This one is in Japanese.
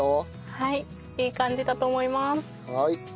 はいいい感じだと思います。